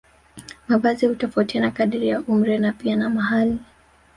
Mavazi hutofautiana kadiri ya umri na pia na mahali